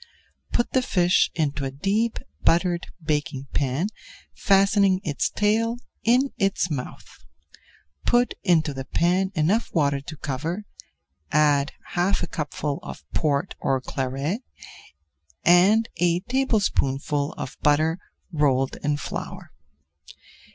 Put the fish [Page 328] into a deep buttered baking pan fastening its tail in its mouth; put into the pan enough water to cover, add half a cupful of Port or Claret, and a tablespoonful of butter rolled in flour.